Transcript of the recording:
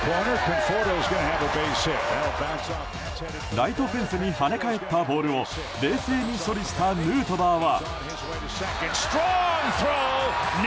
ライトフェンスに跳ね返ったボールを冷静に処理したヌートバーは。